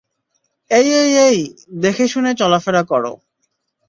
এই, এই, এই, দেখেশুনে চলাফেরা করো।